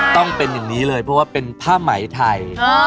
ต้องเป็นอย่างนี้เลยเพราะว่าเป็นผ้าไหมไทย